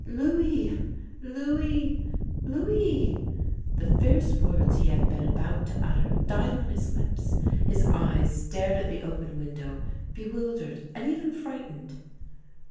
"Louis! Louis! Louis!" The fierce words he had been about to utter died on his lips, his eyes stared at the open window, bewildered and even frightened.